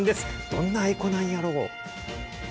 どんなエコなんやろう。